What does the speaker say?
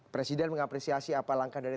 presiden mengapresiasi apa langkah dari